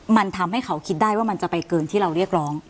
มันทำให้เขาคิดได้ว่ามันจะไปเกินที่เราเรียกร้อง